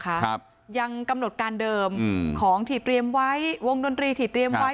ครับยังกำหนดการเดิมอืมของที่เตรียมไว้วงดนตรีที่เตรียมไว้